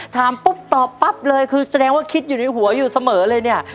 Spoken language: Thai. ถามปุ๊บตอบปั๊บเลยคือแสดงว่าคิดอยู่ในหัวอยู่เสมอเลยเนี่ย